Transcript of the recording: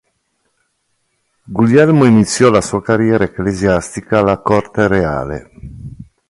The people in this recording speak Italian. Guglielmo iniziò la sua carriera ecclesiastica alla corte reale.